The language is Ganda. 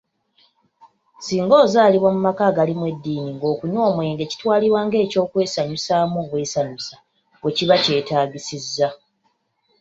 Singa ozaalibwa mu maka agalimu eddiini ng'okunywa omwenge kitwalibwa ng'ekyokwesanyusaamu obwesanyusa, wekiba kyetaagisizza.